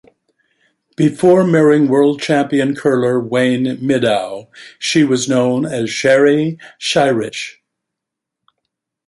Before marrying world champion curler Wayne Middaugh, she was known as Sherry Scheirich.